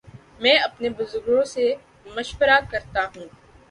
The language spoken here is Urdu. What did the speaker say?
میں اپنے بزرگوں سے مشورہ کرتا ہوں۔